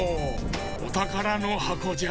おたからのはこじゃ。